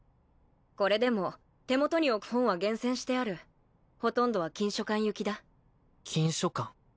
これでも手元に置く本は厳選してあるほとんどは禁書館行きだ禁書館？